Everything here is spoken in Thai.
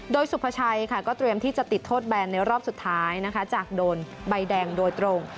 โดยสุภาชัยค่ะก็เตรียมที่จะติดโทษแบนในรอบสุดท้ายนะคะจากโดนใบแดงโดยตรง